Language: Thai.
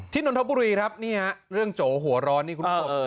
ที่นนทบุรีนี่ฮะเรื่องโจหัวร้อนนี่คุณผู้ชมเออเออ